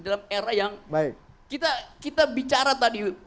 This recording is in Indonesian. dalam era yang kita bicara tadi